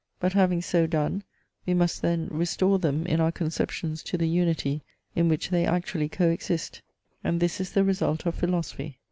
But having so done, we must then restore them in our conceptions to the unity, in which they actually co exist; and this is the result of philosophy.